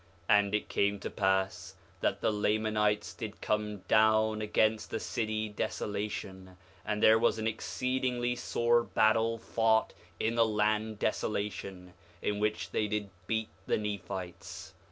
4:19 And it came to pass that the Lamanites did come down against the city Desolation; and there was an exceedingly sore battle fought in the land Desolation, in the which they did beat the Nephites.